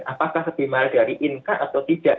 apakah lebih mahal dari incat atau tidak